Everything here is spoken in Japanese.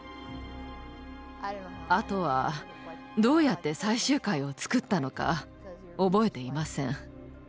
あとはどうやって最終回を作ったのか覚えていません。